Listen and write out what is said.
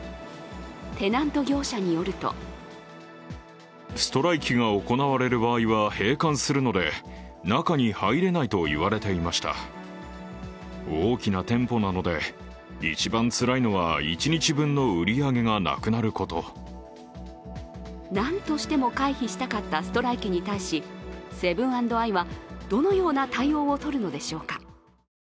テナント業者によるとなんとしても回避したかったストライキに対しセブン＆アイはどのような対応を取るのでしょうか。